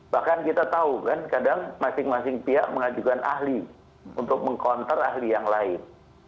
bahkan kita tahu kan kadang masing masing pihak mengajukan ahli untuk meng counter ahli yang lain